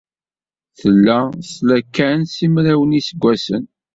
Tella tla kan simraw n yiseggasen.